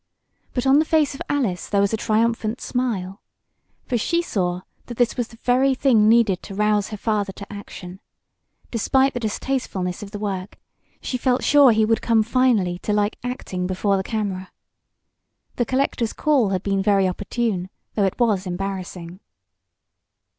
But on the face of Alice there was a triumphant smile. For she saw that this was the very thing needed to arouse her father to action. Despite the distastefulness of the work, she felt sure he would come finally to like acting before the camera. The collector's call had been very opportune, though it was embarrassing.